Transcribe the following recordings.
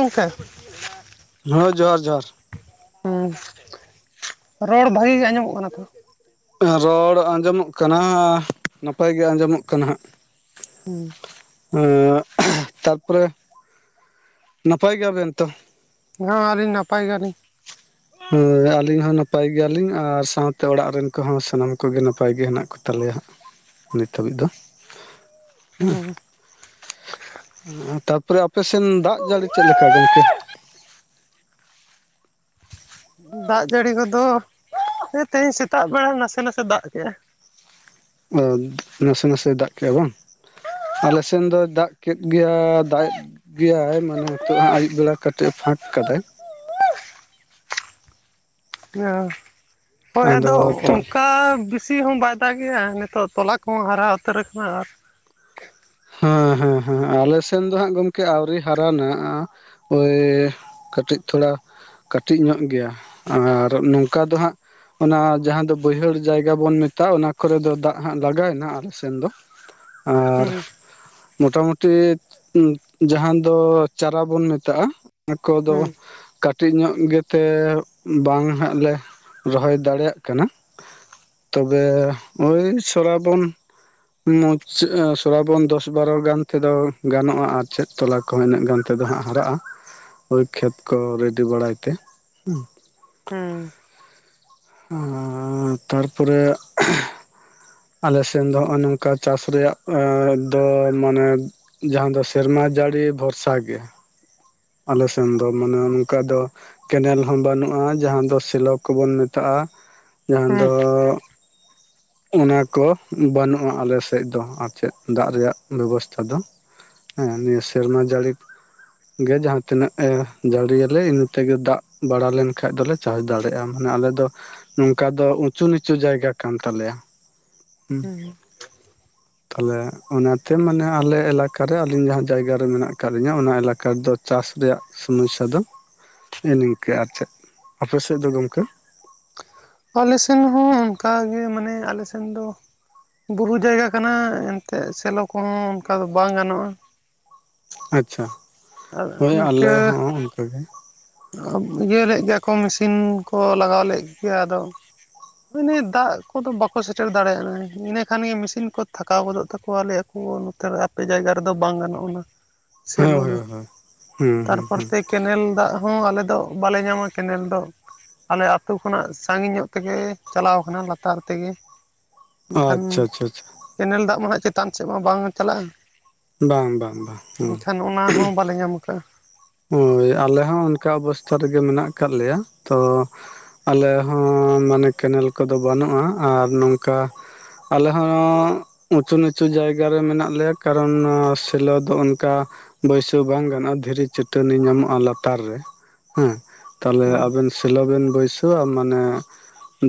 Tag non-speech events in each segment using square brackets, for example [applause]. ᱚᱱᱠᱟ [inaudible] ᱦᱚᱸ ᱡᱚᱦᱟᱨ-ᱡᱚᱦᱟᱨ ᱾ ᱮᱸ [inaudible] ᱨᱚᱲ ᱵᱷᱟᱜᱤ ᱜᱮ ᱟᱸᱡᱚᱸᱢᱚᱜ ᱠᱟᱱᱟ ᱛᱚ? ᱨᱚᱲ ᱟᱸᱡᱚᱢᱚᱜ ᱠᱟᱱᱟᱻ ᱱᱟᱯᱟᱭ ᱜᱮ ᱟᱸᱡᱚᱸᱢᱚᱜ ᱠᱟᱱᱟ ᱦᱟᱸᱜ ᱾ ᱩᱸ ᱾ ᱮᱸᱜ ᱛᱟᱨᱯᱚᱨᱮ [inaudible] ᱱᱟᱯᱟᱭ ᱜᱮᱭᱟᱵᱮᱱ ᱛᱚ? ᱦᱚᱸ ᱟᱹᱞᱤᱧ ᱱᱟᱯᱟᱭ ᱜᱮᱭᱟᱞᱤᱧ ᱾ ᱦᱚᱸ ᱟᱹᱞᱤᱧ ᱦᱚᱸ ᱱᱟᱯᱟᱭ ᱜᱮᱭᱟᱞᱤᱧ ᱟᱨ ᱥᱟᱶᱛᱮ ᱚᱲᱟᱜ ᱨᱤᱱ ᱠᱚᱦᱚᱸ ᱥᱟᱱᱟᱢ ᱠᱚᱜᱮ ᱱᱟᱯᱟᱭ ᱜᱮ ᱦᱮᱱᱟᱜ ᱠᱚ ᱛᱟᱞᱮᱭᱟ ᱦᱟᱸᱜ ᱱᱤᱛ ᱦᱟᱹᱵᱤᱡ ᱫᱚ ᱾ [inaudible] ᱮᱸᱷ [inaudible] ᱛᱟᱯᱚᱨᱮ ᱟᱯᱮ ᱥᱮᱱ ᱫᱟᱜ ᱡᱟᱹᱲᱤ ᱪᱮᱫ ᱞᱮᱠᱟ ᱜᱚᱢᱠᱮ? ᱫᱟᱜ ᱡᱟᱲᱤ ᱠᱚᱫᱚ ᱦᱮᱸ ᱛᱮᱦᱮᱧ ᱥᱮᱛᱟᱜ ᱵᱮᱲᱟ ᱱᱟᱥᱮ-ᱱᱟᱥᱮ ᱫᱟᱜ ᱠᱮᱜᱼᱟ ᱾ ᱚ ᱱᱟᱥᱮ-ᱱᱟᱥᱮ ᱫᱟᱜ ᱠᱮᱜᱼᱟ ᱵᱟᱝ? ᱟᱞᱮᱥᱮᱱ ᱫᱚ ᱫᱟᱜ ᱠᱮᱫ ᱜᱮᱭᱟ ᱾ ᱫᱟᱜ ᱮᱫ ᱜᱮᱭᱟᱭ ᱢᱟᱱᱮ ᱱᱤᱛᱚᱜ ᱦᱟᱸᱜ ᱟᱹᱭᱩᱵ ᱵᱮᱲᱟ ᱠᱟᱹᱴᱤᱜ ᱮ ᱯᱷᱟᱸᱠ ᱠᱟᱫᱟᱭ ᱾ ᱤᱭᱚᱸ ᱾ [inaudible] ᱦᱳᱭ ᱟᱫᱚ ᱚᱱᱠᱟ ᱵᱤᱥ ᱛᱤ ᱦᱚᱸ ᱵᱟᱭ ᱫᱟᱜᱮᱜᱼᱟ ᱱᱤᱛᱚᱜ ᱛᱚᱞᱟ ᱠᱚᱦᱚᱸ ᱦᱟᱨᱟ ᱩᱛᱟᱹᱨ ᱟᱠᱟᱱᱟ ᱾ ᱟᱨ ᱦᱚᱸ ᱦᱚᱸ ᱦᱚᱸ, ᱟᱞᱮᱥᱮᱱ ᱫᱚ ᱦᱟᱸᱜ ᱜᱚᱢᱠᱮ ᱟᱣᱨᱤ ᱦᱟᱨᱟᱱᱟᱜᱼᱟ ᱾ ᱳᱭᱻ ᱠᱟᱹᱴᱤᱡ ᱛᱷᱳᱲᱟ ᱠᱟᱹᱴᱤᱡ ᱧᱚᱜ ᱜᱮᱭᱟ ᱟᱻᱨ ᱱᱚᱝᱠᱟ ᱫᱚ ᱦᱟᱸᱜ ᱚᱱᱟ ᱡᱟᱦᱟᱸ ᱫᱚ ᱵᱟᱹᱭᱦᱟᱹᱲ ᱡᱟᱭᱜᱟ ᱵᱚᱱ ᱢᱮᱛᱟᱜᱼᱟ ᱚᱱᱟ ᱠᱚᱨᱮ ᱫᱚ ᱫᱟᱜ ᱦᱟᱸᱜ ᱞᱟᱜᱟᱭᱮᱱᱟ ᱟᱞᱮ ᱥᱮᱱ ᱫᱚ ᱾ ᱟᱸᱻᱨ ᱦᱩᱸ ᱢᱚᱴᱟ - ᱢᱩᱴᱤ ᱩᱸ ᱡᱟᱦᱟᱸ ᱫᱚ ᱪᱟᱨᱟ ᱵᱚᱱ ᱢᱮᱛᱟᱜᱼᱟ ᱚᱱᱟ ᱠᱚ ᱫᱚ ᱦᱩᱸ ᱠᱟᱴ ᱠᱟᱹᱴᱤᱡ ᱧᱚᱜ ᱜᱮᱛᱮᱻ ᱵᱟᱝ ᱦᱟᱸᱜ ᱞᱮ ᱨᱚᱦᱚᱭ ᱫᱟᱲᱮᱭᱟᱜ ᱠᱟᱱᱟ ᱾ ᱛᱚᱵᱮ ᱳᱭ ᱥᱚᱨᱟᱵᱚᱱ [inaudible] ᱥᱚᱨᱟᱵᱚᱱ ᱫᱚᱥ ᱵᱟᱨᱚ ᱜᱟᱱ ᱛᱮᱫᱚ ᱜᱟᱱᱚᱜᱼᱟ ᱟᱨ ᱪᱮᱫ ᱛᱚᱞᱟ ᱠᱚ ᱤᱱᱟᱹᱜ ᱜᱟᱱ ᱛᱮᱫᱚ ᱦᱟᱸᱜ ᱦᱟᱨᱟᱜᱼᱟ ᱾ ᱦᱳᱭ ᱠᱷᱮᱛ ᱠᱚ ᱨᱮᱰᱤ ᱵᱟᱲᱟᱭ ᱛᱮ ᱾ [inaudible] ᱦᱩᱸ ᱾ ᱦᱩᱸ ᱾ ᱟᱸᱻ ᱛᱟᱨᱯᱚᱨᱮ ᱟᱞᱮᱥᱮᱱ ᱫᱚ ᱦᱚᱸᱜᱼᱚᱭ ᱱᱚᱝᱠᱟ ᱪᱟᱥ ᱨᱮᱭᱟᱜ ᱮᱸᱻ ᱫᱚ ᱢᱟᱱᱮ ᱡᱟᱦᱟᱸ ᱫᱚ ᱥᱮᱨᱢᱟ ᱡᱟᱲᱤ ᱵᱷᱚᱨᱥᱟ ᱜᱮ ᱾ ᱟᱞᱮ ᱥᱮᱱ ᱫᱚ ᱢᱟᱱᱮ ᱚᱱᱠᱟ ᱫᱚᱼᱼ ᱠᱮᱱᱮᱞ ᱦᱚᱸ ᱵᱟᱹᱱᱩᱜᱼᱟ᱾ ᱡᱟᱦᱟᱸ ᱫᱚ ᱥᱮᱞᱳ ᱠᱚᱵᱚᱱ ᱢᱮᱛᱟᱜᱼᱟ᱾ ᱡᱟᱦᱟᱸ ᱦᱩᱸ ᱫᱚᱼᱼ ᱚᱱᱟ ᱠᱚ ᱵᱟᱹᱱᱩᱜᱼᱟ ᱟᱞᱮ ᱥᱮᱫ ᱫᱚ ᱟᱨ ᱪᱮᱫ, ᱫᱟᱜ ᱨᱮᱭᱟᱜ ᱵᱮᱵᱚᱥᱛᱷᱟ ᱫᱚ। ᱦᱮᱸ, ᱱᱤᱭᱟᱹ ᱥᱮᱨᱢᱟ ᱡᱟᱹᱲᱤ ᱼᱼ ᱜᱮ, ᱡᱟᱦᱟᱸ ᱛᱤᱱᱟᱹᱜ ᱮ ᱡᱟᱹᱲᱤᱭᱟᱞᱮ, ᱤᱱᱟᱹ ᱛᱮᱜᱮ ᱫᱟᱜ ᱵᱟᱲᱟ ᱞᱮᱱ ᱠᱷᱟᱱ ᱫᱚᱞᱮ ᱼᱼ ᱪᱟᱥ ᱫᱟᱲᱮᱭᱟᱜᱼᱟ ᱾ ᱢᱟᱱᱮ ᱟᱞᱮ ᱫᱚ ᱱᱚᱝᱠᱟ ᱫᱚ ᱩᱪᱩ ᱱᱤᱪᱩ ᱡᱟᱭᱜᱟ ᱠᱟᱱ ᱼᱼ ᱛᱟᱞᱮᱭᱟ᱾ ᱦᱩᱸ᱾ ᱛᱟᱦᱚᱞᱮ ᱚᱱᱟᱛᱮ ᱢᱟᱱᱮ ᱟᱞᱮ ᱮᱞᱟᱠᱟᱨᱮ ᱟᱹᱞᱤᱧ ᱡᱟᱦᱟᱸ ᱡᱟᱭᱜᱟ ᱨᱮ ᱢᱮᱱᱟᱜ ᱟᱠᱟᱫ ᱞᱤᱧᱟᱹ᱾ ᱚᱱᱟ ᱮᱞᱟᱠᱟ ᱨᱮᱫᱚ ᱼᱼ ᱪᱟᱥ ᱨᱮᱭᱟᱜ ᱥᱚᱢᱚᱥᱥᱟ ᱫᱚ [unintelligible] ᱱᱤᱝᱠᱟᱹ ᱟᱨ ᱪᱮᱫ᱾ ᱟᱯᱮ ᱥᱮᱫ ᱫᱚ ᱜᱚᱝᱠᱮ? ᱟᱞᱮ ᱥᱮᱱ ᱦᱚᱸ ᱚᱱᱠᱟᱜᱮ, ᱢᱟᱱᱮ ᱟᱞᱮ ᱥᱮᱱ ᱫᱚ ᱼᱼ ᱵᱩᱨᱩ ᱡᱟᱭᱜᱟ ᱠᱟᱱᱟ ᱮᱱᱛᱮᱫ ᱥᱮᱞᱳ ᱠᱚᱦᱚᱸ ᱚᱱᱠᱟ ᱫᱚ ᱵᱟᱝ ᱜᱟᱱᱚᱜᱼᱟ᱾ ᱟᱪᱪᱷᱟ, ᱟᱨ ᱦᱳᱭ ᱟᱞᱮ ᱤᱱᱠᱟᱹ ᱦᱚᱸ ᱚᱱᱠᱟᱜᱮ᱾ ᱤᱭᱟᱹ ᱞᱮᱜ ᱜᱮᱭᱟ ᱠᱚ, ᱢᱮᱥᱤᱱ ᱠᱚ ᱞᱟᱜᱟᱣ ᱞᱮᱜ ᱜᱮᱭᱟ ᱾ᱟᱫᱚ ᱼᱼ ᱤᱱᱟᱹ ᱫᱟᱜ ᱠᱚᱫᱚ ᱵᱟᱠᱚ ᱥᱮᱴᱮᱨ ᱫᱟᱲᱮᱭᱟᱜᱼᱟ ᱾ ᱤᱱᱟᱹ ᱠᱷᱟᱱ ᱜᱮ ᱢᱮᱥᱤᱱ ᱠᱚ ᱛᱷᱟᱠᱟᱣ ᱜᱚᱫᱚᱜ ᱛᱟᱠᱚᱣᱟ᱾ ᱞᱮᱭ ᱟᱠᱚ ᱼᱼ ᱱᱮᱛ [unintelligible] ᱟᱯᱮ ᱡᱟᱭᱜᱟ ᱨᱮᱫᱚ ᱵᱟᱝ ᱜᱟᱱᱚᱜ ᱩᱱᱟᱹ [unintelligible] ᱦᱮᱸ, ᱦᱮᱸ, ᱦᱩᱸ ᱦᱩᱸ ᱛᱟᱨᱯᱚᱨ ᱦᱩᱸ ᱛᱮ ᱾ ᱠᱮᱱᱮᱞ ᱫᱟᱜ ᱦᱚᱸ ᱟᱞᱮ ᱫᱚ ᱵᱟᱞᱮ ᱧᱟᱢᱟ ᱠᱮᱱᱮᱞ ᱫᱚ᱾ ᱟᱞᱮ ᱟᱛᱳ ᱠᱷᱚᱱᱟᱜ ᱥᱟᱺᱜᱤᱧ ᱧᱚᱜ ᱛᱮᱜᱮ ᱼᱼ ᱪᱟᱞᱟᱣ ᱠᱟᱱᱟ ᱞᱟᱛᱟᱨ ᱛᱮᱜᱮ᱾ ᱮᱱᱠᱷᱟᱱ ᱟᱪᱪᱷᱟ ᱟᱪᱪᱷᱟ ᱟᱪᱪᱷᱟ ᱼᱼ ᱠᱮᱱᱮᱞ ᱫᱟᱜ ᱢᱟ ᱦᱟᱸᱜ ᱪᱮᱛᱟᱱ ᱥᱮᱫ ᱢᱟ ᱵᱟᱝ ᱪᱟᱞᱟᱜᱼᱟ᱾ ᱵᱟᱝ ᱵᱟᱝ ᱵᱟᱝ ᱦᱩᱸ ᱮᱱᱠᱷᱟᱱ ᱚᱱ ᱼᱼ ᱦᱚᱸ ᱵᱟᱞᱮ ᱧᱟᱢ ᱟᱠᱟᱜᱼᱟ᱾ ᱦᱳᱭ, ᱟᱞᱮ ᱦᱚᱸ ᱚᱱᱠᱟ ᱚᱵᱚᱥᱛᱷᱟ ᱨᱮᱜᱮ ᱢᱮᱱᱟᱜ ᱟᱠᱟᱫ ᱞᱮᱭᱟ᱾ ᱛᱚ ᱼᱼ ᱟᱞᱮ ᱦᱚᱸ ᱢᱟᱱᱮ ᱠᱮᱱᱮᱞ ᱠᱚᱫᱚ ᱵᱟᱹᱱᱩᱜᱼᱟ᱾ ᱟᱨ ᱱᱚᱝᱠᱟᱼᱼ ᱟᱞᱮ ᱦᱚᱸᱻ ᱩᱸᱪᱩ ᱱᱤᱪᱩ ᱡᱟᱭᱜᱟ ᱨᱮ ᱢᱮᱱᱟᱜ ᱞᱮᱭᱟ᱾ ᱠᱟᱨᱚᱱ ᱥᱮᱞᱳ ᱫᱚ ᱚᱱᱠᱟᱼᱼ ᱵᱟᱹᱭᱥᱟᱹᱣ ᱵᱟᱝ ᱜᱟᱱᱚᱜᱼᱟ ᱫᱷᱤᱨᱤ ᱪᱟᱹᱴᱟᱹᱱᱤ ᱧᱟᱢᱚᱜᱼᱟ ᱞᱟᱛᱟᱨ ᱨᱮ᱾ ᱦᱮᱸ ᱛᱟᱦᱟᱞᱮ ᱦᱩᱸ ᱟᱵᱮᱱᱼᱼ ᱥᱮᱞᱳ ᱵᱮᱱ ᱵᱟᱹᱭᱥᱟᱹᱣᱟ᱾ ᱢᱟᱱᱮᱼᱼ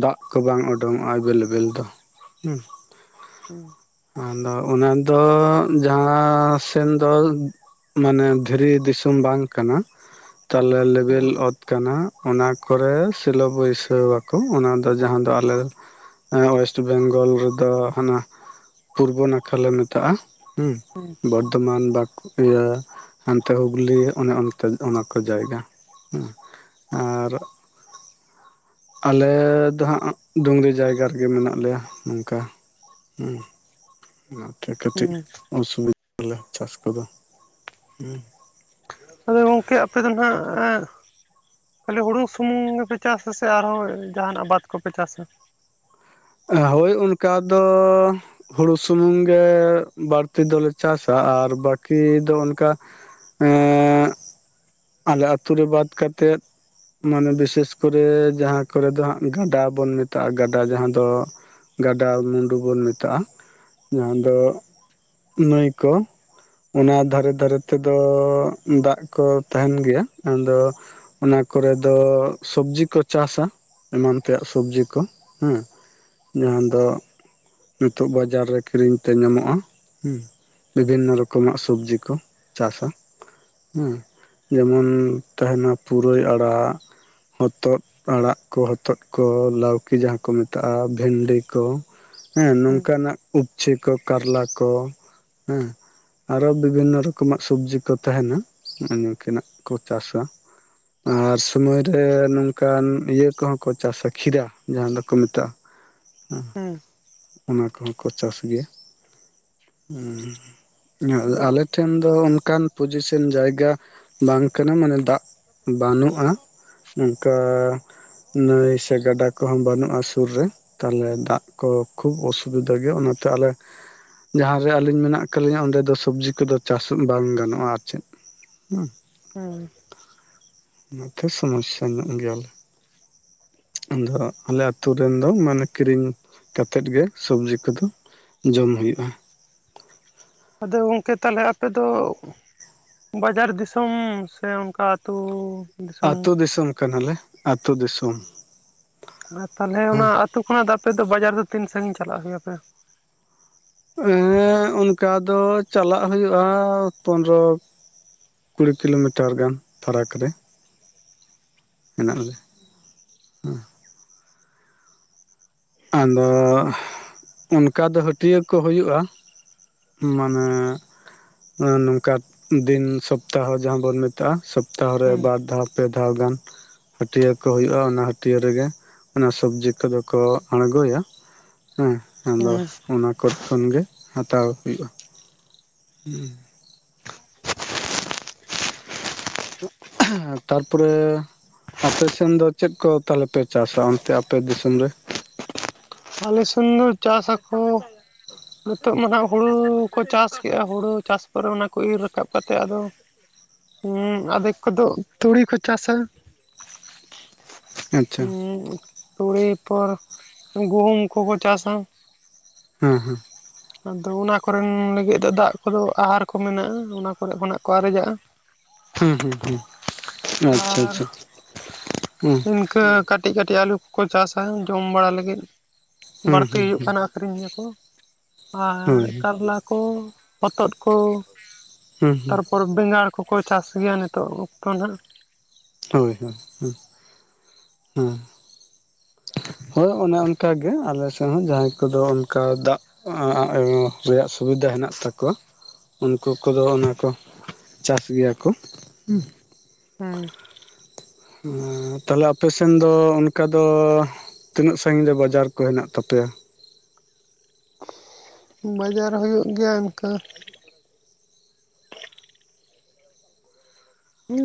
ᱫᱟᱜ ᱠᱚ ᱵᱟᱝ ᱩᱰᱳᱝᱚᱜᱼᱟ ᱮᱵᱮᱞ ᱮᱵᱮᱞ ᱫᱚ, ᱦᱩᱸ᱾ ᱦᱩᱸ᱾ ᱟᱫᱚ ᱚᱱᱟ ᱫᱚ ᱡᱟᱦᱟᱸ ᱥᱮᱱ ᱫᱚ ᱢᱟᱱᱮ ᱫᱷᱤᱨᱤ ᱫᱤᱥᱚᱢᱼᱼ ᱵᱟᱝ ᱠᱟᱱᱟ᱾ ᱛᱟᱦᱚᱞᱮ ᱦᱩᱸ ᱞᱮᱵᱮᱞ ᱚᱛᱼᱼ ᱠᱟᱱᱟ ᱾ ᱚᱱᱟ ᱠᱚᱨᱮ ᱥᱤᱞᱳ ᱵᱟᱹᱭᱥᱟᱹᱣᱟᱠᱚ᱾ ᱚᱱᱟ ᱫᱚ ᱡᱟᱦᱟᱸ ᱫᱚ ᱟᱞᱮᱼᱼ ᱮ ᱳᱭᱮᱥᱴ ᱵᱮᱝᱜᱚᱞ ᱨᱮᱫᱚ, ᱦᱟᱱᱟ ᱯᱩᱨᱵᱚ ᱱᱟᱠᱷᱟ ᱞᱮ ᱢᱮᱛᱟᱜᱼᱟ᱾ ᱦᱩᱸ, ᱵᱚᱨᱫᱷᱚᱢᱟᱱ ᱵᱟᱠᱩ ᱤᱭᱟᱹ, ᱦᱟᱱᱛᱮ ᱦᱚᱸ [unintelligible] ᱼᱼ ᱦᱩᱜᱽᱞᱤ ᱚᱱᱮ ᱚᱱᱛᱮ, ᱚᱱᱟ ᱠᱚ ᱡᱟᱭᱜᱟ᱾ ᱦᱚᱸ ᱟᱨᱼᱼ ᱟᱞᱮᱻ ᱫᱚ ᱦᱟᱸᱜ ᱰᱩᱝᱨᱤ ᱡᱟᱭᱜᱟ ᱨᱮᱜᱮ ᱢᱮᱱᱟᱜ ᱞᱮᱭᱟ ᱱᱚᱝᱠᱟ᱾ ᱦᱩᱸ ᱟᱨᱛᱮ [unintelligible] ᱠᱟᱹᱴᱤᱡ ᱦᱩᱸ ᱚᱥᱩᱵᱤᱫᱷᱟᱞᱮ ᱪᱟᱥ ᱠᱚᱫᱚ᱾ ᱦᱩᱸ ᱟᱫᱚ ᱜᱚᱝᱠᱮ, ᱟᱯᱮ ᱫᱚ ᱱᱷᱟᱜ ᱮᱸᱼᱼ ᱠᱷᱟᱹᱞᱤ ᱦᱩᱲᱩ ᱥᱩᱢᱩᱝ ᱜᱮᱯᱮ ᱪᱟᱥᱟ ᱥᱮ, ᱟᱨᱦᱚᱸ ᱡᱟᱦᱟᱱᱟᱜ ᱟᱵᱟᱫᱽ ᱠᱚᱯᱮ ᱪᱟᱥᱟ? ᱦᱳᱭ ᱚᱱᱠᱟ ᱫᱚᱻ ᱦᱩᱲᱩ ᱥᱩᱢᱩᱝ ᱜᱮ ᱵᱟᱹᱲᱛᱤ ᱫᱚᱞᱮ ᱪᱟᱥᱟ᱾ ᱟᱨ ᱵᱟᱠᱤ ᱫᱚ ᱚᱱᱠᱟᱼᱼ ᱮᱸ ᱟᱞᱮ ᱟᱹᱛᱩ ᱨᱮ ᱵᱟᱫ ᱠᱟᱛᱮᱜᱼᱼ ᱢᱟᱱᱮ ᱵᱤᱥᱮᱥ ᱠᱚᱨᱮ ᱡᱟᱦᱟᱸ ᱠᱚᱨᱮ ᱫᱚ ᱦᱟᱸᱜ ᱜᱟᱰᱟ ᱵᱚᱱ ᱢᱮᱛᱟᱜᱼᱟ᱾ ᱜᱟᱰᱟ ᱡᱟᱦᱟᱸᱼᱼ ᱫᱚ ᱜᱟᱰᱟ ᱢᱩᱰᱩ ᱵᱚᱱ ᱢᱮᱛᱟᱜᱼᱟ᱾ ᱡᱟᱦᱟᱸ ᱫᱚᱼᱼ ᱱᱟᱹᱭ ᱠᱚ, ᱚᱱᱟ ᱫᱷᱟᱨᱮ ᱫᱷᱟᱨᱮ ᱛᱮᱫᱚ ᱫᱟᱜ ᱠᱚ ᱛᱟᱦᱮᱱ ᱜᱮᱭᱟ। ᱟᱫᱚ ᱼᱼ ᱚᱱᱟ ᱠᱚᱨᱮ ᱫᱚ ᱥᱚᱵᱽᱡᱤ ᱠᱚ ᱪᱟᱥᱟ, ᱮᱢᱟᱱ ᱛᱮᱭᱟᱜ ᱥᱚᱵᱽᱡᱤ ᱠᱚ ᱦᱮᱸ। ᱡᱟᱦᱟᱸ ᱫᱚ, ᱱᱤᱛᱚᱜ ᱵᱟᱡᱟᱨ ᱨᱮ ᱠᱤᱨᱤᱧ ᱼᱼ ᱛᱮ ᱧᱟᱢᱚᱜᱼᱟ ᱦᱮ, ᱵᱤᱵᱷᱤᱱᱱᱚ ᱨᱚᱠᱚᱢᱟᱜ ᱥᱚᱵᱽᱡᱤ ᱠᱚ ᱪᱟᱥᱟ। ᱦᱮᱸ, ᱡᱮᱢᱚᱱ ᱛᱟᱦᱮᱱᱟ ᱯᱩᱨᱟᱹᱭ ᱟᱲᱟᱜ। ᱦᱚᱛᱚᱫ ᱟᱲᱟᱜ ᱠᱚ, ᱦᱚᱛᱚᱫ ᱠᱚ, ᱞᱟᱹᱣᱠᱤ ᱡᱟᱦᱟᱸ ᱠᱚ ᱢᱮᱛᱼᱼ ᱟᱜᱼᱟ ᱵᱷᱮᱱᱰᱤ ᱠᱚ ᱦᱮᱸ ᱦᱩᱸ ᱱᱚᱝᱠᱟᱱᱟᱜ, ᱩᱯᱪᱷᱤ ᱠᱚ ᱠᱟᱨᱞᱟ ᱠᱚ ᱦᱮᱸ, ᱟᱨᱚ ᱵᱤᱵᱷᱤᱱᱱᱚ ᱨᱚᱠᱚᱢᱟᱜ ᱥᱚᱵᱡᱤ ᱠᱚ ᱛᱟᱦᱮᱱᱟ, ᱱᱤᱠᱟᱱᱟᱜ ᱠᱚ ᱪᱟᱥᱟ᱾ ᱟᱨ ᱥᱩᱢᱚᱭ ᱨᱮ ᱱᱚᱝᱠᱟᱱ ᱤᱭᱟᱹ ᱠᱚᱦᱚᱸ ᱠᱚ ᱪᱟᱥᱟ ᱠᱷᱤᱨᱟ ᱡᱟᱦᱟᱸ ᱫᱚ᱾ ᱠᱚ ᱢᱮᱛᱟᱜᱼᱟ ᱦᱮᱸ ᱚᱱᱟ ᱠᱚᱦᱚᱸ ᱠᱚ ᱪᱟᱥ ᱜᱮᱭᱟ ᱩᱸ ᱟᱫᱚ ᱟᱞᱮ, ᱴᱷᱮᱱ ᱫᱚ ᱚᱱᱠᱟᱱ ᱯᱚᱡᱤᱥᱮᱱ ᱡᱟᱭᱜᱟ ᱵᱟᱝ ᱠᱟᱱᱟ ᱢᱟᱱᱮ ᱫᱟᱜ ᱵᱟᱹᱱᱩᱜᱼᱟ᱾ ᱚᱱᱠᱟ ᱱᱟᱹᱭ ᱥᱮ ᱜᱟᱰᱟ ᱠᱚᱦᱚᱸ ᱵᱟᱹᱱᱩᱜᱼᱟ᱾ ᱥᱩᱨ ᱨᱮ ᱛᱟᱦᱞᱮ ᱫᱟᱜ ᱠᱚ ᱠᱷᱩᱵ ᱚᱥᱩᱵᱤᱫᱷᱟ ᱜᱮᱭᱟ ᱚᱱᱟ ᱛᱮ ᱟᱞᱮ, ᱡᱟᱦᱟᱸ ᱨᱮ ᱟᱞᱤᱧ ᱢᱮᱱᱟᱜ ᱠᱟᱞᱤᱧᱟ ᱚᱸᱰᱮ ᱫᱚ ᱥᱚᱵᱽᱡᱤ ᱠᱚᱫᱚ ᱪᱟᱥ ᱵᱟᱝ ᱜᱟᱱᱚᱜᱼᱟ ᱟᱨ ᱪᱮᱫ᱾ ᱦᱩᱸ ᱦᱮᱸ ᱚᱱᱟ ᱛᱮ ᱥᱚᱢᱚᱥᱥᱟ ᱧᱚᱜ ᱜᱮᱭᱟᱞᱮ ᱟᱫᱚ ᱟᱞᱮ, ᱟᱹᱛᱩ ᱨᱮᱱ ᱫᱚ ᱢᱟᱱᱮ ᱠᱤᱨᱤᱧ ᱠᱟᱛᱮᱜ ᱜᱮ ᱥᱚᱵᱡᱤ ᱠᱚᱫᱚ ᱡᱚᱢ ᱦᱳᱭᱳᱜᱼᱟ᱾ ᱟᱫᱚ ᱜᱚᱝᱠᱮ ᱛᱟᱦᱚᱞᱮ ᱟᱯᱮ ᱫᱚ, ᱵᱟᱡᱟᱨ ᱫᱤᱥᱚᱢ ᱥᱮ ᱚᱱᱠᱟ ᱟᱹᱛᱩ, ᱟᱹᱛᱩ ᱫᱤᱥᱚᱢ ᱠᱟᱱᱟᱞᱮ, ᱟᱹᱛᱩ ᱫᱤᱥᱚᱢ ᱟᱨ ᱛᱟᱦᱞᱮ ᱚᱱᱟ ᱦᱮᱸ ᱟᱹᱛᱩ ᱠᱷᱚᱱᱟᱜ ᱫᱚ ᱟᱯᱮ ᱫᱚ ᱵᱟᱡᱟᱨ ᱫᱚ ᱛᱤᱱ ᱥᱟᱺᱜᱤᱧ ᱪᱟᱞᱟᱜ ᱦᱩᱭᱟᱯᱮ᱾ ᱦᱮᱸ ᱚᱱᱠᱟ ᱫᱚ ᱪᱟᱞᱟᱜ ᱦᱩᱭᱩᱜᱼᱟ ᱯᱚᱱᱨᱚ, ᱠᱩᱲᱤ ᱠᱤᱞᱳᱢᱤᱴᱟᱨ ᱜᱟᱱ ᱯᱷᱟᱨᱟᱠ ᱨᱮ, ᱢᱮᱱᱟᱜ ᱞᱮ ᱦᱮᱸᱼᱼ ᱟᱫᱚ ᱚᱱᱠᱟ ᱫᱚ ᱦᱟᱹᱴᱤᱭᱟᱹ ᱠᱚ ᱦᱩᱭᱩᱜᱼᱟ᱾ ᱢᱟᱱᱮ ᱱᱚᱝᱠᱟ ᱫᱤᱱ ᱥᱚᱯᱛᱟᱦᱚ ᱡᱟᱦᱟᱸ ᱵᱚᱱᱼᱼ ᱢᱮᱛᱟᱜᱼᱟ ᱥᱚᱯᱛᱟᱦᱚ ᱨᱮ ᱦᱩᱸ ᱵᱟᱨ ᱫᱷᱟᱣᱯ, ᱯᱮ ᱫᱷᱟᱣ ᱜᱟᱱ ᱦᱟᱹᱴᱤᱭᱟᱹ ᱠᱚ ᱦᱳᱭᱳᱜᱼᱟ ᱚᱱᱟ ᱦᱟᱹᱴᱤᱭᱟᱹ ᱨᱮᱜᱮ ᱚᱱᱟ ᱥᱚᱵᱡᱤ ᱠᱚᱫᱚ ᱠᱚ᱾ ᱟᱲᱜᱚᱭᱟ ᱦᱮᱸ ᱟᱫᱚ ᱦᱮᱸ ᱚᱱᱟ ᱠᱚᱨᱮ ᱠᱷᱚᱱ ᱜᱮ ᱦᱟᱛᱟᱣ ᱦᱩᱭᱩᱜᱼᱟ᱾ [unintelligible] [inaudible] ᱛᱟᱨᱯᱚᱨᱮ ᱟᱯᱮ ᱥᱮᱱ ᱫᱚ ᱪᱮᱫ ᱠᱚ ᱛᱟᱞᱮ ᱯᱮ ᱪᱟᱥᱟ ᱚᱱᱛᱮ ᱟᱯᱮ ᱫᱤᱥᱚᱢ ᱨᱮ᱾ ᱟᱞᱮ ᱥᱮᱱ ᱫᱚ ᱪᱟᱥ ᱟᱠᱚ, ᱱᱤᱛᱚᱜ ᱢᱟ ᱟᱜ ᱦᱩᱲᱩ ᱠᱚ ᱪᱟᱥ ᱠᱮᱫᱼᱟ ᱦᱩᱲᱩ ᱪᱟᱥ ᱯᱚᱨᱮ ᱚᱱᱟ ᱠᱚ ᱤᱨ ᱨᱟᱠᱟᱵ ᱠᱟᱛᱮ ᱟᱫᱚ᱾ ᱦᱮᱸ ᱟᱫᱷᱮᱠ ᱠᱚᱫᱚ ᱛᱩᱲᱤ ᱠᱚ ᱪᱟᱥᱟ ᱟᱪᱪᱷᱟ ᱦᱩᱸ ᱛᱩᱲᱤ ᱯᱚᱨ, ᱜᱩᱦᱩᱢ ᱠᱚᱠᱚ ᱪᱟᱥᱟ ᱦᱮᱸ ᱦᱮᱸ ᱟᱫᱚ ᱚᱱᱟ ᱠᱚ ᱨᱮᱱ ᱞᱟᱹᱜᱤᱫ ᱫᱚ ᱫᱟᱜ ᱠᱚᱫᱚ ᱟᱦᱟᱨ ᱠᱚ ᱢᱮᱱᱟᱜᱼᱟ ᱚᱱᱟ ᱠᱚᱨᱮ ᱠᱷᱚᱱᱟᱜ ᱠᱚ ᱟᱨᱮᱡᱟᱜᱼᱟ᱾ ᱦᱩᱸ ᱦᱩᱸ ᱦᱩᱸ ᱟᱪᱪᱷᱟ ᱟᱨ ᱟᱪᱪᱷᱟ ᱦᱩᱸ, [unintelligible] ᱠᱟᱹᱴᱤᱡ ᱠᱟᱹᱴᱤᱡ ᱟᱹᱞᱩ ᱠᱚᱠᱚ ᱪᱟᱥᱟ ᱡᱚᱢ ᱵᱟᱲᱟ ᱞᱟᱹᱜᱤᱫ ᱦᱩᱸ ᱵᱟᱹᱲᱛᱤ ᱦᱩᱸ ᱦᱩᱭᱩᱜ ᱦᱩᱸ ᱠᱟᱱᱟ ᱟᱨ ᱟᱹᱠᱨᱤᱧ ᱟᱠᱚ ᱟᱨ ᱦᱳᱭ ᱠᱟᱨᱞᱟ ᱠᱚ ᱦᱚᱛᱚᱫ ᱠᱚ᱾ ᱦᱩᱸᱦᱩᱸ ᱯᱚᱨᱚᱵᱽ ᱵᱮᱸᱜᱟᱲ ᱠᱚᱠᱚ ᱪᱟᱥ ᱜᱮᱭᱟ ᱱᱤᱛᱚᱜ ᱚᱠᱛᱚ ᱱᱟᱦᱟᱜ᱾ ᱦᱳᱭ ᱦᱳᱭ ᱦᱮᱸ᱾ ᱦᱳᱭ ᱚᱱᱮ ᱚᱱᱠᱟᱜᱮ ᱟᱞᱮᱥᱮᱫ ᱦᱚᱸ ᱡᱟᱦᱟᱸᱭ ᱠᱚᱫᱚ ᱚᱱᱠᱟ ᱫᱟᱜ, ᱨᱮᱭᱟᱜ ᱥᱩᱵᱤᱫᱷᱟ ᱦᱮᱱᱟᱜ ᱛᱟᱠᱚᱣᱟ᱾ ᱩᱱᱠᱩ ᱠᱚᱫᱚ ᱚᱱᱟᱠᱚ ᱪᱟᱥ ᱜᱮᱭᱟ ᱠᱚ ᱦᱮᱸ, ᱦᱩᱸ, ᱛᱟᱦᱞᱮ ᱟᱯᱮᱥᱱ ᱫᱚ ᱚᱱᱠᱟ ᱫᱚ, ᱛᱤᱱᱟᱹᱜ ᱥᱟᱺ ᱜᱤᱧ ᱨᱮ ᱵᱟᱡᱟᱨ ᱠᱚ ᱦᱮᱱᱟᱜ ᱛᱟᱯᱮᱭᱟ? ᱵᱟᱡᱟᱨ ᱦᱩᱭᱩᱜ ᱜᱮᱭᱟ ᱚᱱᱠᱟᱹ,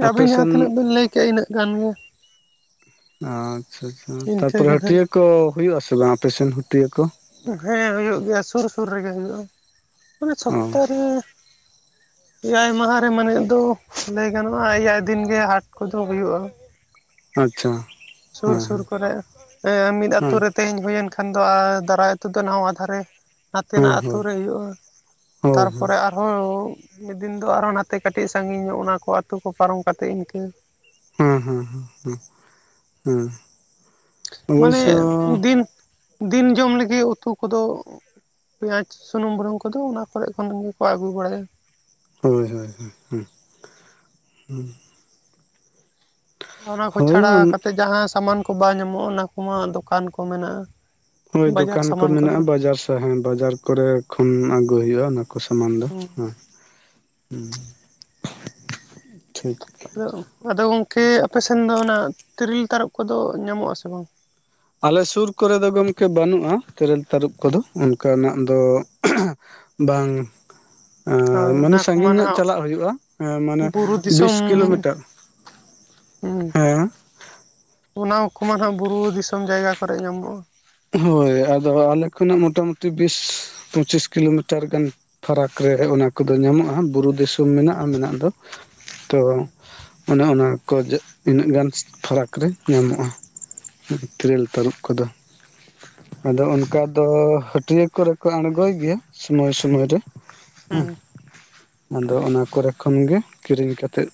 ᱟᱯᱮ ᱟᱵᱤᱱ ᱡᱟᱦᱟᱸ ᱥᱮᱱ ᱛᱤᱱᱟᱹᱜ ᱵᱤᱱ ᱞᱟᱹᱭᱠᱮᱜᱼᱟ ᱤᱱᱟᱹᱜ ᱜᱟᱱ ᱜᱮ᱾ ᱟᱪᱪᱷᱟ ᱟᱪᱪᱷᱟ ᱛᱟᱨ ᱯᱚᱨᱮ ᱤᱱᱠᱟᱹᱜᱮ ᱦᱟᱹᱴᱤᱭᱟᱹ ᱱᱟᱦᱟᱜ ᱠᱚ ᱦᱩᱭᱩᱜ ᱟᱥᱮ ᱵᱟᱝ ᱟᱯᱮᱥᱮᱱ ᱦᱟᱹᱴᱤᱭᱟᱹ ᱠᱚ? ᱦᱮᱸ ᱦᱩᱭᱩᱜ ᱜᱮᱭᱟ ᱥᱩᱨ ᱥᱩᱨ ᱨᱮᱻᱜᱮ ᱦᱩᱭᱩᱜᱼᱟ ᱢᱟᱱᱮ ᱚ ᱥᱚᱯᱛᱟ ᱨᱮ, ᱮᱭᱟᱭ ᱢᱟᱦᱟ ᱨᱮ ᱢᱟᱱᱮᱜ ᱫᱚ ᱞᱟᱹᱭ ᱜᱟᱱᱚᱜᱼᱟ ᱮᱭᱟᱭ ᱫᱤᱱ ᱜᱮ ᱦᱟᱸᱴ ᱠᱚᱫᱚ ᱦᱩᱭᱩᱜᱼᱟ᱾ ᱟᱪᱪᱷᱟ᱾ ᱥᱩᱨ ᱥᱩᱨ ᱦᱮᱸ ᱠᱚᱨᱮ ᱢᱤᱫ ᱟᱹᱛᱩ ᱦᱮᱸ ᱨᱮ ᱛᱮᱦᱮᱧ ᱦᱩᱭ ᱮᱱ ᱠᱷᱟᱱ ᱫᱚ ᱟᱨ ᱫᱟᱨᱟᱭ ᱟᱹᱛᱩ ᱫᱚ ᱱᱟᱣᱟ ᱫᱷᱟᱨᱮ᱾ ᱱᱟᱛᱮ ᱦᱮᱸ ᱱᱟᱜ ᱟᱛᱳ ᱦᱳᱭ ᱨᱮ ᱦᱩᱭᱩᱜᱼᱟ ᱦᱳᱭ ᱛᱟᱨ ᱦᱳᱭ ᱯᱚᱨᱮ ᱟᱫ ᱢᱤᱫ ᱫᱤᱱ ᱫᱚ ᱟᱨᱦᱚ ᱱᱟᱛᱮ ᱠᱟᱹᱴᱤᱡ ᱥᱟᱺᱜᱤᱧ ᱧᱚᱜ ᱚᱱᱟ ᱠᱚ ᱟᱹᱛᱩ ᱠᱚ ᱯᱟᱨᱚᱢ ᱠᱟᱛᱮ ᱤᱱᱠᱟᱹ᱾ ᱦᱩᱸ ᱦᱩᱸ ᱦᱩᱸ ᱦᱩᱸ ᱢᱟᱱᱮ ᱚᱵᱳᱥᱳ ᱫᱤᱱ ᱫᱤᱱ ᱡᱚᱢ ᱞᱟᱹᱜᱤᱫ ᱩᱛᱩ ᱠᱚᱫᱚ, ᱯᱮᱸᱭᱟᱡᱽ ᱥᱩᱱᱩᱢ ᱵᱩᱞᱩᱝ ᱠᱚᱫᱚ ᱚᱱᱟ ᱠᱚᱨᱮ ᱠᱷᱚᱱ ᱜᱮᱠᱚ ᱟᱹᱜᱩ ᱵᱟᱲᱟᱭ ᱜᱮᱭᱟ᱾ ᱦᱳᱭ ᱦᱳᱭ, [inaudible] ᱚᱱᱟ ᱠᱚ ᱪᱷᱟᱲᱟ ᱦᱳᱭ ᱠᱟᱛᱮᱫ ᱡᱟᱦᱟ ᱥᱟᱢᱟᱱ ᱠᱚ ᱵᱟᱝ ᱧᱟᱢᱚᱜᱼᱟ ᱚᱱᱟ ᱠᱚᱢᱟ ᱫᱳᱠᱟᱱ ᱠᱚ ᱢᱮᱱᱟᱜᱼᱟ᱾ ᱦᱳᱭ ᱵᱟᱡᱟᱨ ᱫᱚᱠᱟᱱ ᱠᱚ ᱥᱟᱢᱟᱱ ᱢᱮᱱᱟᱜᱼᱟ ᱠᱚᱫᱚ ᱵᱟᱡᱟᱨ ᱥᱚᱦᱮ ᱵᱟᱡᱟᱨ ᱠᱚᱨᱮ ᱠᱷᱚᱱ ᱟᱹᱜᱩ ᱦᱩᱭᱩᱜᱼᱟ ᱚᱱᱟ ᱠᱚ ᱥᱟᱢᱟᱱ ᱫᱚ᱾ ᱦᱮᱸ ᱦᱩᱸ, ᱟᱫᱚ ᱜᱚᱢᱠᱮ ᱟᱯᱮᱥᱮᱱ ᱫᱚ ᱚᱱᱟ ᱛᱤᱨᱤᱞ ᱛᱟᱨᱚᱯ ᱠᱚᱫᱚ ᱧᱟᱢᱚᱜ-ᱟ ᱥᱮ ᱵᱟᱝ? ᱟᱞᱮ ᱥᱩᱨ ᱠᱚᱨᱮ ᱫᱚ ᱜᱚᱢᱠᱮ ᱵᱟᱹᱱᱩᱜᱼᱟ ᱛᱤᱨᱤᱞ ᱛᱟᱨᱚᱵ ᱠᱚᱫᱚ ᱚᱱᱠᱟᱱᱟᱜ ᱫᱚ, ᱵᱟᱝ? ᱮ ᱦᱳᱭ ᱢᱟᱱᱮ ᱚᱱᱟ ᱠᱚᱢᱟ ᱥᱟᱺᱜᱤᱧ ᱧᱚᱜ ᱱᱟᱦᱟᱜ ᱪᱟᱞᱟᱜ ᱦᱩᱭᱩᱜᱼᱟ ᱢᱟᱱᱮ ᱵᱩᱨᱩ ᱫᱤᱥᱚᱢ ᱵᱤᱥ ᱠᱤᱞᱳᱢᱤᱴᱟᱨ᱾ ᱦᱩᱸ ᱦᱮᱸ, ᱚᱱᱟ ᱠᱚᱢᱟ ᱱᱟᱦᱟᱜ ᱵᱩᱨᱩ ᱫᱤᱥᱚᱢ ᱡᱟᱭᱜᱟ ᱠᱚᱨᱮ ᱧᱟᱢᱚᱜᱼᱟ᱾ ᱦᱳᱭ ᱟᱫᱚ ᱟᱞᱮ ᱠᱷᱚᱱᱟᱜ ᱢᱚᱴᱟ ᱢᱩᱴᱤ ᱵᱤᱥ ᱯᱚᱸᱪᱤᱥ ᱠᱤᱞᱳᱢᱤᱴᱟᱨ ᱜᱟᱱ᱾ ᱯᱷᱟᱨᱟᱠ ᱨᱮ ᱚᱱᱟ ᱠᱚᱫᱚ ᱧᱟᱢᱚᱜᱼᱟ ᱵᱩᱨᱩ ᱫᱤᱥᱚᱢ ᱢᱮᱱᱟᱜᱼᱟ ᱢᱮᱱᱟᱜ ᱫᱚ ᱛᱚ, ᱚᱱᱮ ᱚᱱᱟ ᱠᱚ ᱤᱱᱟᱹᱜ ᱜᱟᱱ ᱯᱷᱟᱨᱟᱠ ᱨᱮ ᱧᱟᱢᱚᱜᱼᱟ᱾ ᱛᱤᱨᱤᱞ ᱛᱟᱨᱟᱵ ᱠᱚᱫᱚ᱾ ᱟᱫᱚ ᱚᱱᱠᱟ ᱫᱚ ᱦᱟᱹᱴᱤᱭᱟᱹ ᱠᱚᱨᱮ ᱠᱚ ᱟᱬᱜᱳᱭ ᱜᱮᱭᱟ ᱥᱳᱢᱚᱞᱳᱭ ᱥᱳᱢᱳᱭ ᱨᱮ᱾ ᱦᱩᱸ, ᱟᱫᱚ ᱚᱱᱟ ᱠᱚᱨᱮ ᱠᱷᱚᱱ ᱜᱮ ᱠᱤᱨᱤᱧ ᱠᱟᱛᱮᱫ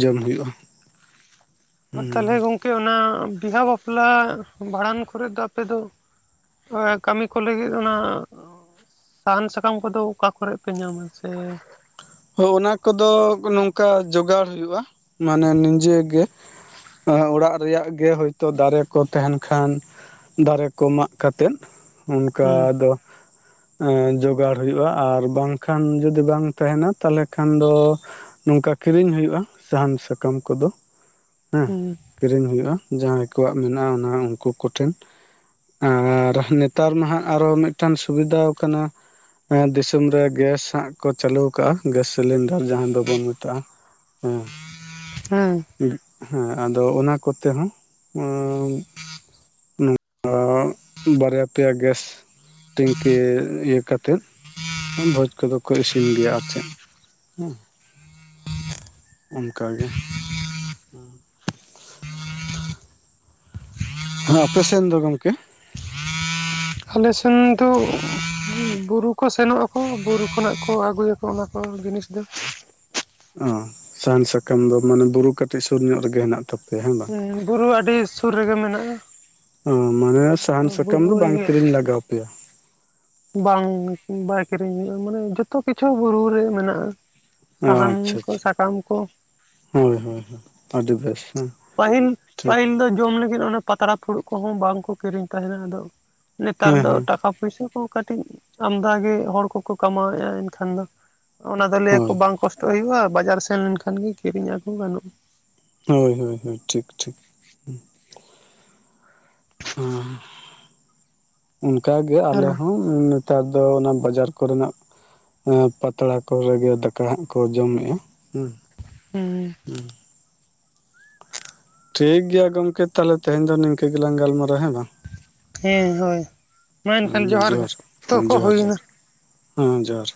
ᱡᱚᱢ ᱦᱩᱭᱩᱜᱼᱟ᱾ ᱟᱨ ᱛᱟᱦᱚᱞᱮ ᱦᱩᱸ ᱜᱚᱢᱠᱮ ᱚᱱᱟ ᱵᱤᱦᱟᱹ ᱵᱟᱯᱞᱟ ᱵᱷᱟᱸᱰᱟᱱ ᱠᱚᱨᱮᱫ ᱫᱚ ᱟᱯᱮ ᱫᱚ, ᱠᱟᱹᱢᱤ ᱠᱚ ᱞᱟᱹᱜᱤᱫ ᱚᱱᱟ, ᱥᱟᱦᱟᱱ ᱥᱟᱠᱟᱢ ᱠᱚᱫᱚ ᱚᱠᱟ ᱠᱚᱨᱮᱜ ᱯᱮ ᱧᱟᱢᱟ ᱥᱮ? ᱦᱳᱭ ᱚᱱᱟ ᱠᱚᱫᱚ ᱱᱚᱝᱠᱟ ᱡᱚᱜᱟᱲ ᱦᱩᱭᱩᱜᱼᱟ ᱢᱟᱱᱮ ᱱᱤᱡᱮ ᱜᱮ᱾ ᱚᱲᱟᱜ ᱨᱮᱭᱟᱜ ᱜᱮ ᱦᱳᱭ ᱛᱳ ᱫᱟᱨᱮ ᱠᱚ ᱛᱟᱦᱮᱸᱱ ᱠᱷᱟᱱ ᱫᱟᱨᱮ ᱠᱚ ᱢᱟᱜ ᱠᱟᱛᱮᱫ, ᱚᱱᱠᱟ ᱦᱩᱸ ᱫᱚ ᱡᱚᱜᱟᱲ ᱦᱩᱭᱩᱜᱼᱟ ᱟᱨ ᱵᱟᱝ ᱠᱷᱟᱱ ᱡᱩᱫᱤ ᱵᱟᱝ ᱛᱟᱦᱮᱱᱟ᱾ ᱛᱟᱦᱚᱞᱮ ᱠᱷᱟᱱ ᱫᱚ ᱱᱚᱝᱠᱟ ᱠᱤᱨᱤᱧ ᱦᱩᱭᱩᱜ-ᱟ, ᱥᱟᱦᱟᱱ ᱥᱟᱠᱟᱢ ᱠᱚ ᱫᱚ᱾ ᱦᱮᱸ ᱦᱩᱸ ᱠᱤᱨᱤᱧ ᱦᱩᱭᱩᱜᱼᱟ, ᱡᱟᱦᱟᱭ ᱠᱚᱣᱟᱜ ᱢᱮᱱᱟᱜᱼᱟ ᱩᱱᱠᱩ ᱠᱚ ᱴᱷᱮᱸᱱ᱾ ᱟᱨ ᱱᱮᱛᱟᱨ ᱢᱟ ᱦᱟᱜᱼᱼ ᱟᱨᱦᱚᱸ ᱢᱤᱫᱴᱟᱝ ᱥᱩᱵᱤᱫᱟᱣ ᱟᱠᱟᱱᱟ ᱫᱤᱥᱚᱢ ᱨᱮ ᱜᱮᱥ ᱦᱟᱸᱜ ᱠᱚ ᱪᱟᱞᱩᱼ ᱟᱠᱟᱜᱼᱟ ᱜᱮᱥ ᱥᱤᱞᱮᱱᱰᱟᱨ ᱡᱟᱦᱟ ᱫᱚ ᱵᱚᱱ ᱢᱮᱛᱟᱜᱼᱟ᱾ ᱦᱩᱸ ᱼ ᱦᱮᱸ ᱾ ᱦᱮᱸ ᱟᱫᱚ ᱚᱱᱟ ᱠᱚᱛᱮ ᱦᱚᱸ ᱟᱹ ᱼᱼ ᱟᱹ ᱵᱟᱨᱭᱟ ᱯᱮᱭᱟ ᱜᱮᱥ ᱴᱤᱝᱠᱤ ᱤᱭᱟᱹ ᱠᱟᱛᱮᱫᱼᱼ ᱵᱷᱚᱡᱽ ᱠᱚᱫᱚ ᱠᱚ ᱤᱥᱤᱱ ᱜᱮᱭᱟ ᱟᱨ ᱪᱮᱫ᱾ ᱚᱱᱠᱟ ᱜᱮ᱾ ᱚ [inaudible] ᱟᱯᱮ-ᱥᱮᱱ ᱫᱚ ᱜᱚᱢᱠᱮ᱾ ᱟᱞᱮ ᱥᱮᱱ ᱫᱚ ᱵᱩᱨᱩ ᱠᱚ ᱥᱮᱱᱚᱜ ᱟᱠᱚ ᱵᱩᱨᱩ ᱠᱷᱚᱱᱟᱜ ᱠᱚ ᱟᱹᱜᱩᱭ ᱟᱠᱚ᱾ ᱚᱱᱟ ᱠᱚ ᱡᱤᱱᱤᱥ ᱫᱚ᱾ ᱚᱸ ᱥᱟᱦᱟᱱ ᱥᱟᱠᱟᱢ ᱫᱚ ᱢᱟᱱᱮ ᱵᱩᱨᱩ ᱠᱟᱹᱴᱤᱡ ᱥᱩᱨ ᱧᱚᱜ ᱨᱮᱜ ᱦᱮᱱᱟᱜ-ᱟ᱾ ᱛᱟ ᱯᱮ ᱦᱮᱸ ᱼᱼ ᱦᱩᱸ ᱵᱩᱨᱩ ᱟᱹᱰᱤ ᱥᱩᱨ ᱨᱮᱜᱮ ᱢᱮᱱᱟᱜᱼᱟ᱾ ᱦᱮᱸ ᱢᱟᱱᱮ ᱟᱞᱮ ᱥᱟᱦᱟᱱ ᱥᱟᱠᱟᱢ ᱵᱩᱨᱩ ᱫᱚ ᱵᱟᱝ ᱨᱮᱜᱮ ᱠᱤᱨᱤᱧ ᱞᱟᱜᱟᱣ ᱯᱮᱭᱟ᱾ ᱵᱟᱝ, ᱵᱟᱭ ᱠᱤᱨᱤᱧ ᱦᱩᱭᱩᱜᱼᱟ ᱢᱟᱱᱮ ᱡᱚᱛᱚ ᱠᱤᱪᱷᱩ ᱵᱩᱨᱩ ᱨᱮ ᱢᱮᱱᱟᱜᱼᱟ᱾ ᱥᱟᱦᱟᱱ ᱟᱪᱪᱷᱟ ᱠᱚ ᱟᱪᱪᱷᱟ ᱥᱟᱠᱟᱢ ᱠᱚ ᱦᱳᱭ ᱦᱳᱭ ᱦᱳᱭ ᱟᱹᱰᱤ ᱵᱮᱥ ᱦᱮᱸ ᱾ ᱯᱟᱹᱦᱤᱞ, ᱯᱟᱹᱦᱤᱞ ᱫᱚ ᱡᱚᱢ ᱞᱟᱹᱜᱤᱫ ᱚᱱᱟ ᱯᱟᱛᱲᱟ ᱯᱷᱩᱲᱩᱜ ᱠᱚᱦᱚᱸ ᱵᱟᱝᱠᱚ ᱠᱤᱨᱤᱧ ᱛᱟᱦᱮᱸᱱᱟ ᱟᱫᱚᱼᱼ ᱱᱮᱛᱟᱨ ᱦᱮᱸ ᱫᱚ ᱦᱮᱸ ᱴᱟᱠᱟ ᱯᱚᱭᱥᱟ ᱠᱚ ᱠᱟᱹᱴᱤᱡ ᱟᱸᱫᱷᱟ ᱜᱮ ᱦᱚᱲ ᱠᱚᱠᱚ ᱠᱟᱢᱟᱣᱮᱜᱼᱟ ᱮᱱᱠᱷᱟᱱ ᱫᱚᱼᱼ ᱚᱱᱟ ᱫᱚ ᱞᱟᱹᱭᱟᱠᱚ ᱦᱳᱭ ᱵᱟᱝ ᱠᱚᱥᱴᱚᱜ ᱦᱩᱭᱩᱜᱼᱟ, ᱵᱟᱡᱟᱨ ᱥᱮᱱ ᱞᱮᱱᱠᱷᱟᱱ ᱜᱮ ᱠᱤᱨᱤᱧ ᱟᱹᱜᱩ ᱜᱟᱱᱚᱜᱼᱟ᱾ ᱦᱳᱭ ᱦᱳᱭ ᱦᱳᱭ ᱴᱷᱤᱠ ᱴᱷᱤᱠ᱾ ᱦᱮᱸ [unintelligible] ᱚᱱᱠᱟᱜᱮ ᱟᱞᱮ ᱟᱨ ᱦᱚᱸ᱾ ᱱᱮᱛᱟᱨ ᱫᱚ ᱚᱱᱟ ᱵᱟᱡᱟᱨ ᱠᱚᱨᱮᱱᱟᱜᱼᱼ ᱯᱟᱛᱲᱟ ᱠᱚᱨᱮᱜᱮ ᱫᱟᱠᱟ ᱦᱟᱸᱜ ᱠᱚ ᱡᱚᱢᱮᱜᱼᱟ ᱦᱮᱸ ᱾ ᱦᱮᱸ᱾ ᱦᱩᱸ᱾ ᱴᱷᱤᱠ ᱜᱮᱭᱟ ᱜᱚᱝᱠᱮ ᱛᱟᱦᱚᱞᱮ ᱛᱮᱦᱮᱧ ᱫᱚ ᱱᱤᱝᱠᱟᱹ ᱜᱮᱞᱟᱝ ᱜᱟᱞᱢᱟᱨᱟ ᱦᱮᱸ ᱵᱟᱝ ᱾ ᱦᱮᱸ ᱦᱳᱭ ᱢᱟ ᱮᱱᱠᱷᱟᱱ ᱦᱮᱸ ᱡᱚᱦᱟᱨ ᱜᱮ, ᱚᱠᱛᱚ ᱦᱮᱸ ᱠᱚ ᱡᱚᱦᱟᱨ ᱦᱩᱭᱮᱱᱟ᱾ ᱡᱚᱦᱟᱨ ᱦᱮᱸ ᱡᱚᱦᱟᱨ᱾